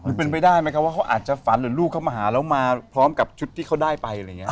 เป็นไปได้ไหมครับว่าเขาอาจจะฝันหรือลูกเขามาหาแล้วมาพร้อมกับชุดที่เขาได้ไปอะไรอย่างนี้